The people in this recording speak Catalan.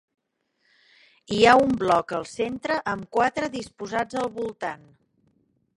Hi ha un bloc al centre amb quatre disposats al voltant.